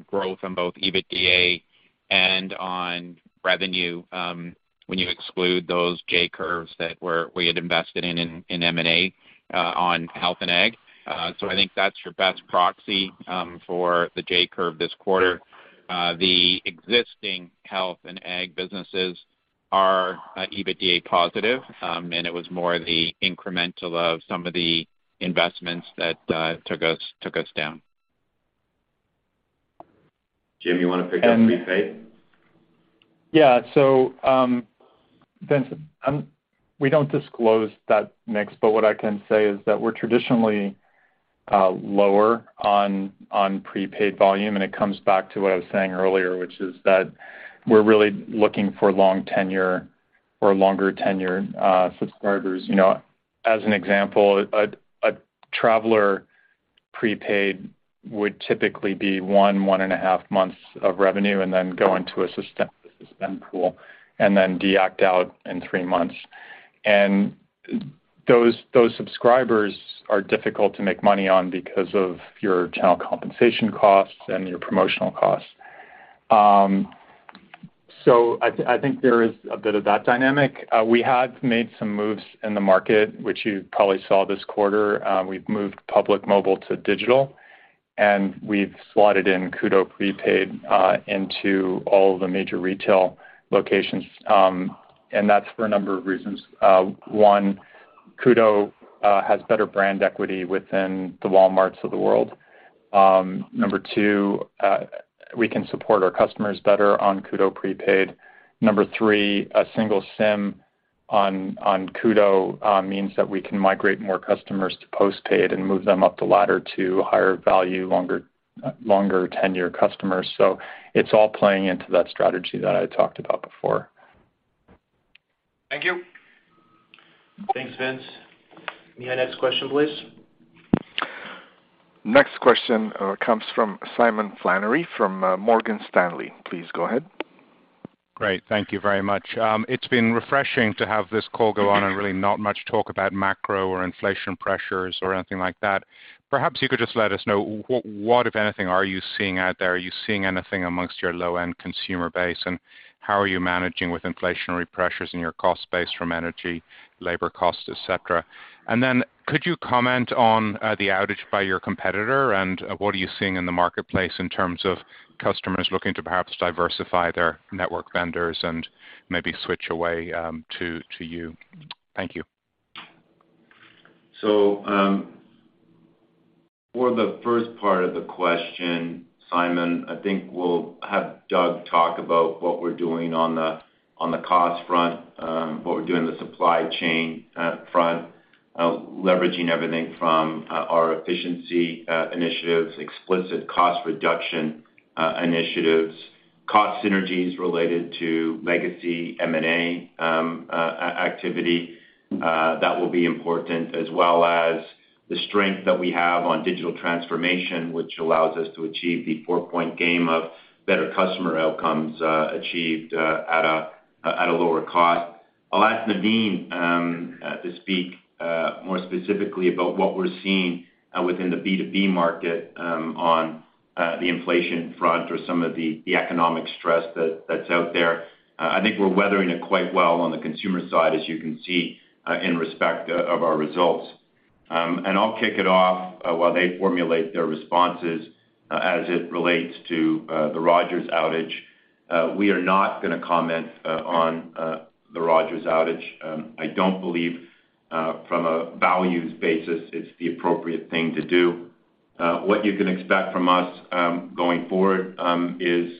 growth on both EBITDA and on revenue, when you exclude those J-curves that we had invested in in M&A on health and ag. I think that's your best proxy for the J-curve this quarter.
The existing health and ag businesses are EBITDA positive, and it was more the incremental of some of the investments that took us down.
Jim, you wanna pick up prepaid?
Um-
Yeah. Vincent, we don't disclose that mix, but what I can say is that we're traditionally lower on prepaid volume, and it comes back to what I was saying earlier, which is that we're really looking for long tenure or longer tenure subscribers. You know, as an example, a traveler prepaid would typically be 1.5 months of revenue and then go into a suspend pool and then deactivate in three months. Those subscribers are difficult to make money on because of your channel compensation costs and your promotional costs. I think there is a bit of that dynamic. We have made some moves in the market, which you probably saw this quarter. We've moved Public Mobile to digital, and we've slotted in Koodo prepaid into all the major retail locations. That's for a number of reasons. One, Koodo has better brand equity within the Walmarts of the world. Number two, we can support our customers better on Koodo prepaid. Number three, a single SIM on Koodo means that we can migrate more customers to postpaid and move them up the ladder to higher value, longer tenure customers. It's all playing into that strategy that I talked about before.
Thank you.
Thanks, Vince. May I next question, please?
Next question comes from Simon Flannery from Morgan Stanley. Please go ahead.
Great. Thank you very much. It's been refreshing to have this call go on and really not much talk about macro or inflation pressures or anything like that. Perhaps you could just let us know, what, if anything, are you seeing out there? Are you seeing anything amongst your low-end consumer base? And how are you managing with inflationary pressures in your cost base from energy, labor costs, et cetera? And then could you comment on the outage by your competitor? And what are you seeing in the marketplace in terms of customers looking to perhaps diversify their network vendors and maybe switch away to you? Thank you.
For the first part of the question, Simon, I think we'll have Doug talk about what we're doing on the cost front, what we're doing on the supply chain front, leveraging everything from our efficiency initiatives, explicit cost reduction initiatives, cost synergies related to legacy M&A activity. That will be important, as well as the strength that we have on digital transformation, which allows us to achieve the four-point game of better customer outcomes achieved at a lower cost. I'll ask Navin to speak more specifically about what we're seeing within the B2B market, on the inflation front or some of the economic stress that's out there. I think we're weathering it quite well on the consumer side, as you can see, in respect of our results. I'll kick it off while they formulate their responses, as it relates to the Rogers outage. We are not gonna comment on the Rogers outage. I don't believe from a values basis, it's the appropriate thing to do. What you can expect from us going forward is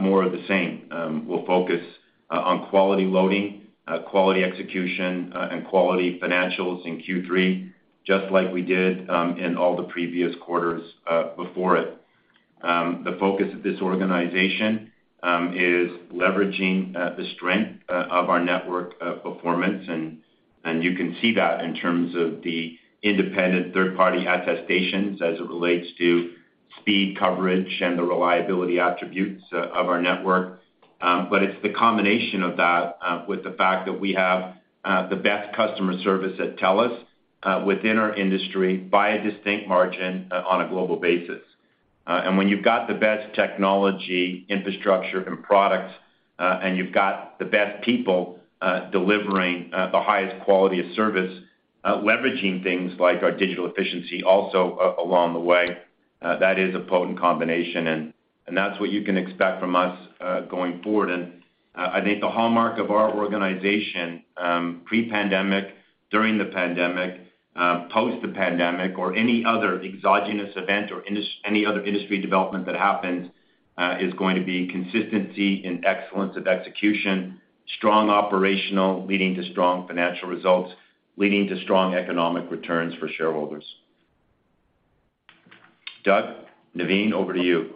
more of the same. We'll focus on quality loading, quality execution, and quality financials in Q3, just like we did in all the previous quarters before it. The focus of this organization is leveraging the strength of our network performance. You can see that in terms of the independent third-party attestations as it relates to speed, coverage, and the reliability attributes of our network. It's the combination of that with the fact that we have the best customer service at TELUS within our industry by a distinct margin on a global basis. When you've got the best technology, infrastructure, and products, and you've got the best people delivering the highest quality of service leveraging things like our digital efficiency also along the way, that is a potent combination. That's what you can expect from us going forward. I think the hallmark of our organization, pre-pandemic, during the pandemic, post the pandemic or any other exogenous event or any other industry development that happens, is going to be consistency and excellence of execution, strong operational, leading to strong financial results, leading to strong economic returns for shareholders. Doug, Navin, over to you.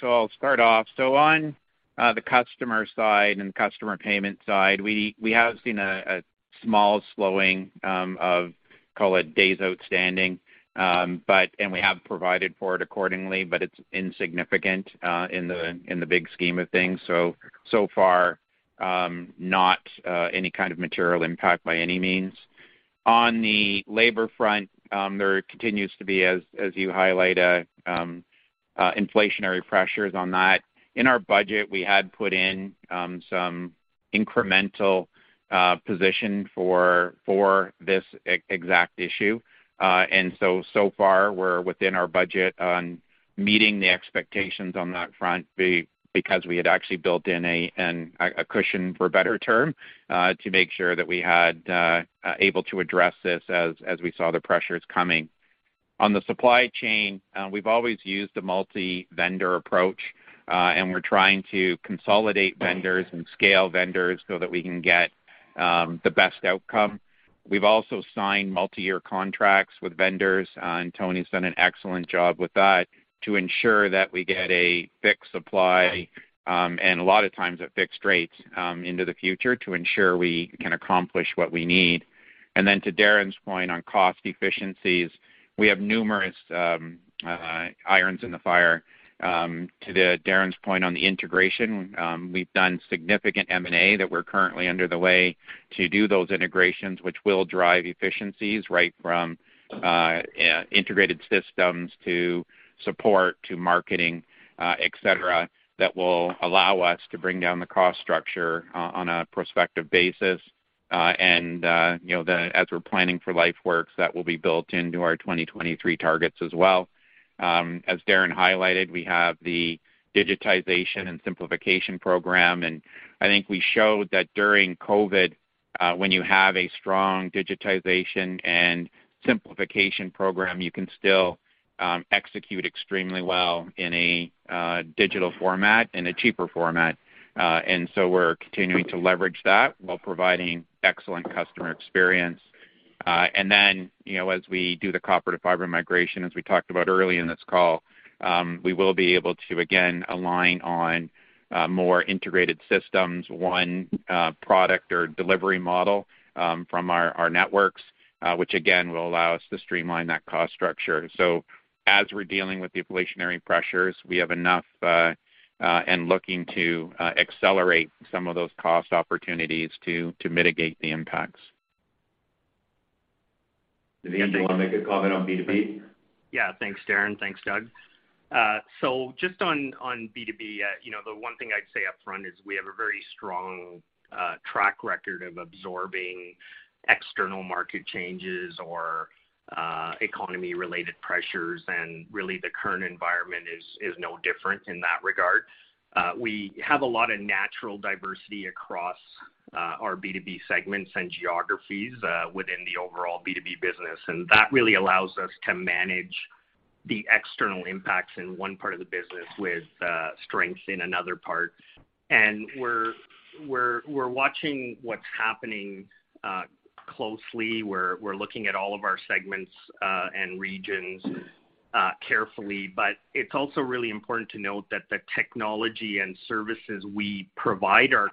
I'll start off. On the customer side and customer payment side, we have seen a small slowing of call it days outstanding. But we have provided for it accordingly, but it's insignificant in the big scheme of things. So far, not any kind of material impact by any means. On the labor front, there continues to be, as you highlight, inflationary pressures on that. In our budget, we had put in some incremental position for this exact issue. So far, we're within our budget on meeting the expectations on that front because we had actually built in a cushion for a better term to make sure that we had able to address this as we saw the pressures coming. On the supply chain, we've always used a multi-vendor approach, and we're trying to consolidate vendors and scale vendors so that we can get the best outcome. We've also signed multi-year contracts with vendors, and Tony's done an excellent job with that to ensure that we get a fixed supply, and a lot of times at fixed rates into the future to ensure we can accomplish what we need. To Darren's point on cost efficiencies, we have numerous irons in the fire. Darren's point on the integration, we've done significant M&A that we're currently underway to do those integrations, which will drive efficiencies right from integrated systems to support to marketing, et cetera, that will allow us to bring down the cost structure on a prospective basis. You know, as we're planning for LifeWorks, that will be built into our 2023 targets as well. As Darren highlighted, we have the digitization and simplification program. I think we showed that during COVID, when you have a strong digitization and simplification program, you can still execute extremely well in a digital format and a cheaper format. We're continuing to leverage that while providing excellent customer experience. You know, as we do the copper-to-fiber migration, as we talked about early in this call, we will be able to again align on more integrated systems, one product or delivery model from our networks, which again will allow us to streamline that cost structure. As we're dealing with the inflationary pressures, we have enough and looking to accelerate some of those cost opportunities to mitigate the impacts.
Navin, do you want to make a comment on B2B?
Yeah. Thanks, Darren. Thanks, Doug. So just on B2B, you know, the one thing I'd say upfront is we have a very strong track record of absorbing external market changes or economy-related pressures, and really the current environment is no different in that regard. We have a lot of natural diversity across our B2B segments and geographies within the overall B2B business, and that really allows us to manage the external impacts in one part of the business with strength in another part. We're watching what's happening closely. We're looking at all of our segments and regions carefully. It's also really important to note that the technology and services we provide our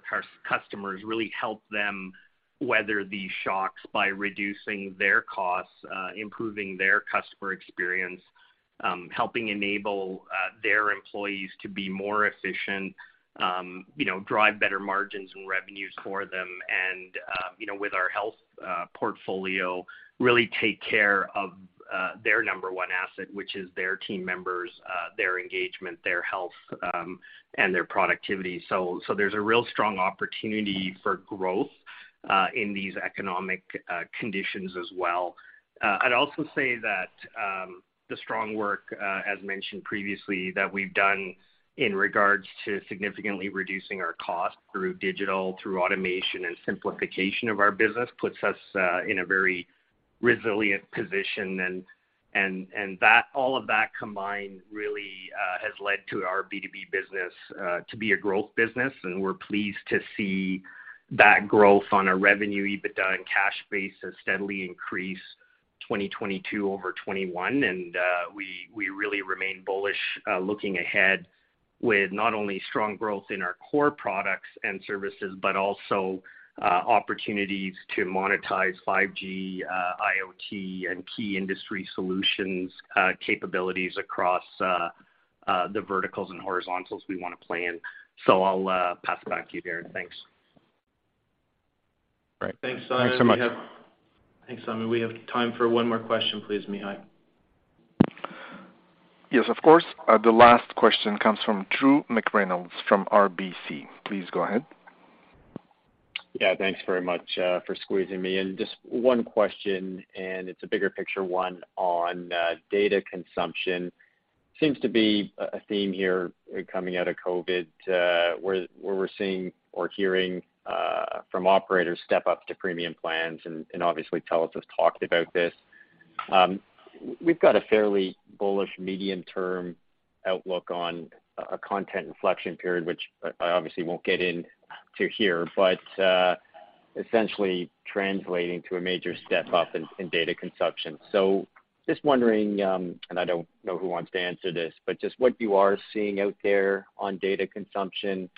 customers really help them weather these shocks by reducing their costs, improving their customer experience, helping enable Their employees to be more efficient, you know, drive better margins and revenues for them and, you know, with our health portfolio, really take care of their number one asset, which is their team members, their engagement, their health, and their productivity. There's a real strong opportunity for growth in these economic conditions as well. I'd also say that the strong work, as mentioned previously, that we've done in regards to significantly reducing our costs through digital, through automation and simplification of our business puts us in a very resilient position. That all of that combined really has led to our B2B business to be a growth business. We're pleased to see that growth on a revenue EBITDA and cash base has steadily increased 2022 over 2021. We really remain bullish looking ahead with not only strong growth in our core products and services, but also opportunities to monetize 5G, IoT and key industry solutions capabilities across the verticals and horizontals we wanna play in. I'll pass it back to you, Darren. Thanks.
Great. Thanks so much.
Thanks, Simon. We have time for one more question. Please, Robert Mitchell.
Yes, of course. The last question comes from Drew McReynolds from RBC. Please go ahead.
Yeah, thanks very much, for squeezing me in. Just one question, and it's a bigger picture one on, data consumption. Seems to be a theme here coming out of COVID, where we're seeing or hearing, from operators step up to premium plans, and obviously TELUS has talked about this. We've got a fairly bullish medium term outlook on a content inflection period, which I obviously won't get into here, but, essentially translating to a major step up in data consumption. Just wondering, and I don't know who wants to answer this, but just what you are seeing out there on data consumption,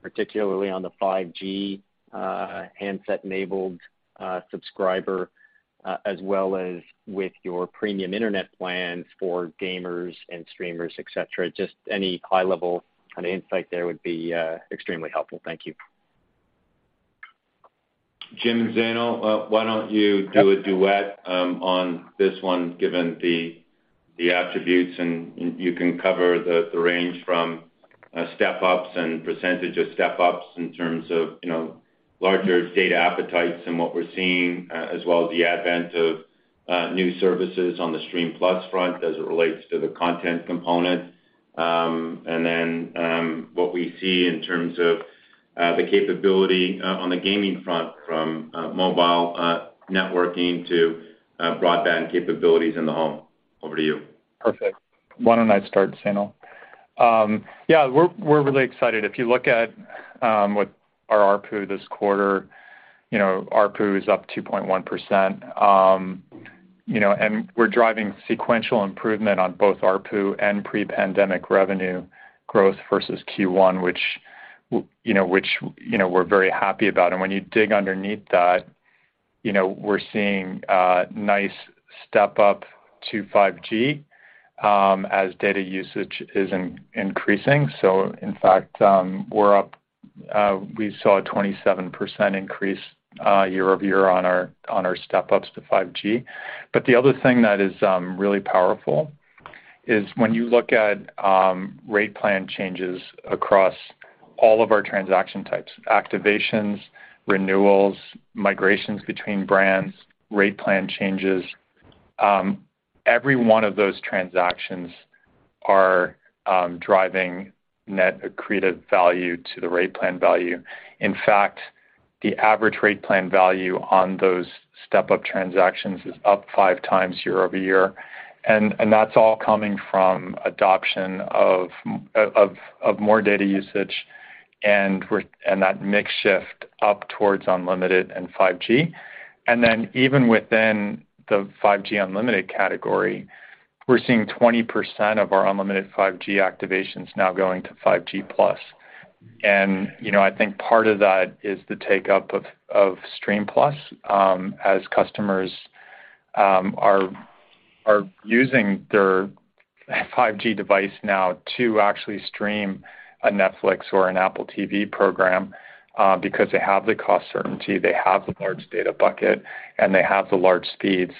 particularly on the 5G, handset-enabled, subscriber, as well as with your premium internet plans for gamers and streamers, et cetera. Just any high level kinda insight there would be, extremely helpful. Thank you.
Jim, Zainul, why don't you do a duet on this one, given the attributes, and you can cover the range from step-ups and percentage of step-ups in terms of, you know, larger data appetites and what we're seeing, as well as the advent of new services on the Stream+ front as it relates to the content component. What we see in terms of the capability on the gaming front from mobile networking to broadband capabilities in the home. Over to you.
Perfect. Why don't I start, Zainul? Yeah, we're really excited. If you look at what our ARPU this quarter, you know, ARPU is up 2.1%. You know, we're driving sequential improvement on both ARPU and pre-pandemic revenue growth versus Q1, which, you know, we're very happy about. When you dig underneath that, you know, we're seeing a nice step-up to 5G as data usage is increasing. In fact, we saw a 27% increase year-over-year on our step-ups to 5G. The other thing that is really powerful is when you look at rate plan changes across all of our transaction types, activations, renewals, migrations between brands, rate plan changes, every one of those transactions are driving net accretive value to the rate plan value. In fact, the average rate plan value on those step-up transactions is up 5 times year-over-year. That's all coming from adoption of more data usage and that mix shift up towards unlimited and 5G. Even within the 5G unlimited category, we're seeing 20% of our unlimited 5G activations now going to 5G+. You know, I think part of that is the take-up of Stream+, as customers are using their 5G device now to actually stream a Netflix or an Apple TV program, because they have the cost certainty, they have the large data bucket, and they have the large speeds.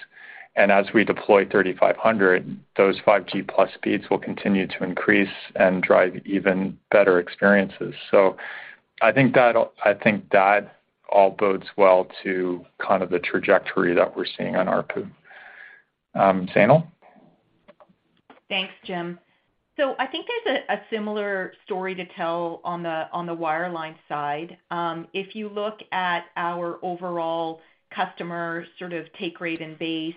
As we deploy 3500, those 5G+ speeds will continue to increase and drive even better experiences. I think that all bodes well to kind of the trajectory that we're seeing on ARPU. Zainul?
Thanks, Jim. I think there's a similar story to tell on the wireline side. If you look at our overall customer sort of take rate and base,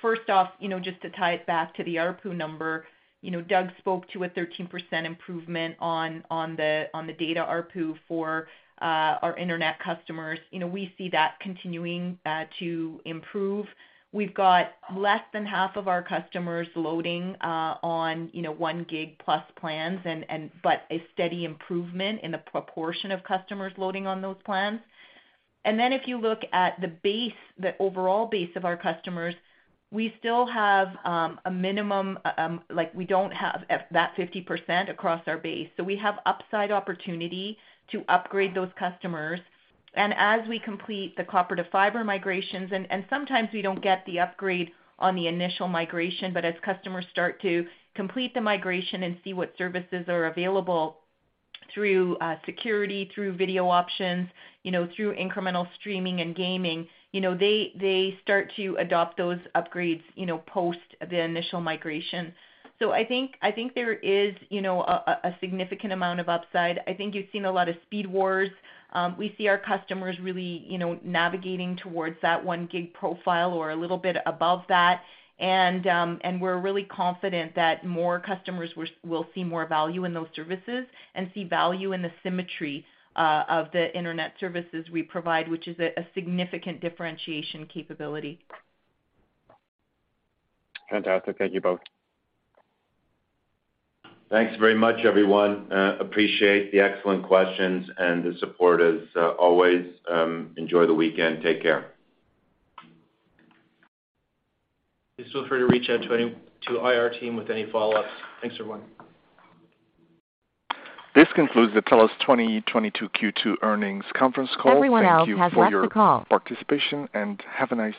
first off, you know, just to tie it back to the ARPU number, you know, Doug spoke to a 13% improvement on the data ARPU for our internet customers. You know, we see that continuing to improve. We've got less than half of our customers loading on, you know, 1 Gb plus plans but a steady improvement in the proportion of customers loading on those plans. Then if you look at the base, the overall base of our customers, we still have a minimum like we don't have that 50% across our base. We have upside opportunity to upgrade those customers. As we complete the copper-to-fiber migrations, sometimes we don't get the upgrade on the initial migration, but as customers start to complete the migration and see what services are available through security, through video options, you know, through incremental streaming and gaming, you know, they start to adopt those upgrades, you know, post the initial migration. I think there is, you know, a significant amount of upside. I think you've seen a lot of speed wars. We see our customers really, you know, navigating towards that 1 Gb profile or a little bit above that. We're really confident that more customers will see more value in those services and see value in the symmetry of the internet services we provide, which is a significant differentiation capability.
Fantastic. Thank you both.
Thanks very much, everyone. Appreciate the excellent questions and the support as always. Enjoy the weekend. Take care.
Please feel free to reach out to IR team with any follow-ups. Thanks, everyone.
This concludes the TELUS 2022 Q2 earnings conference call. Thank you for your participation, and have a nice day.